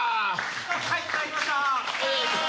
はい頂きました。